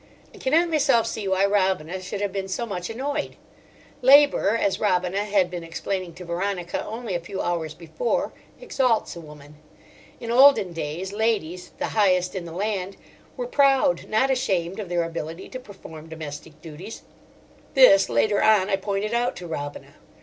I cannot myself see why Robina should have been so much annoyed. Labour, as Robina had been explaining to Veronica only a few hours before, exalts a woman. In olden days, ladies—the highest in the land—were proud, not ashamed, of their ability to perform domestic duties. This, later on, I pointed out to Robina.